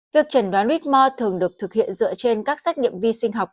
việc trần đoán huyết mò thường được thực hiện dựa trên các xét nghiệm vi sinh học